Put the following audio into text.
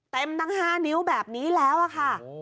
เต็มทั้ง๕นิ้วแบบนี้แล้วอ่ะค่ะ